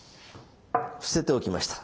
伏せておきました。